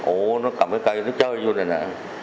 ủ nó cầm cái cây nó chơi vô này nè